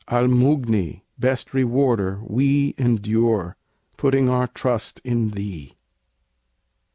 Al Mughni! best Rewarder! we Endure; putting our trust in Thee.